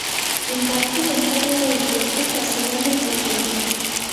ډنمارکي متل وایي دوستي فاصله نه پیژني.